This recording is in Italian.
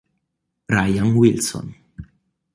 Ryan Wilson